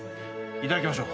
いただきましょう。